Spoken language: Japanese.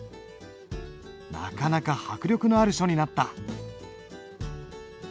なかなか迫力のある書になった。